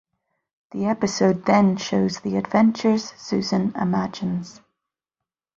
The episode then shows the adventures Susan imagines.